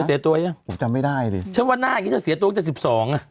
เธอเสียตัวอย่างผมจำไม่ได้ดิฉันว่าหน้าอันนี้เธอเสียตัวก็จะสิบสองอ่ะ